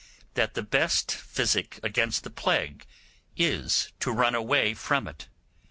that the best physic against the plague is to run away from it.